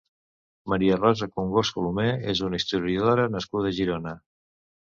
Maria Rosa Congost Colomer és una historiadora nascuda a Girona.